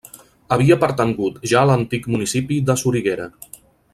Havia pertangut ja a l'antic municipi de Soriguera.